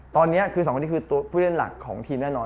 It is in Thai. ตอนนี้คือสองคนนี้คือตัวผู้เล่นหลักของทีมแน่นอน